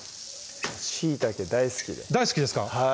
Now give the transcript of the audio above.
しいたけ大好きで大好きですか？